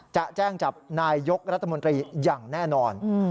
จะแจ้งจับนายยกรัฐมนตรีอย่างแน่นอน